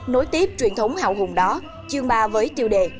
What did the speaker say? nối tiếp truyền thống hào hùng đó chương ba với tiêu đề